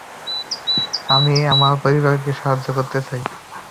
আমি আমার পরিবারকে সাহায্য করতে চাই।